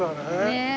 ねえ。